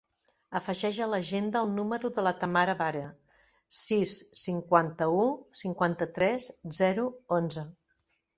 Afegeix a l'agenda el número de la Tamara Barea: sis, cinquanta-u, cinquanta-tres, zero, onze.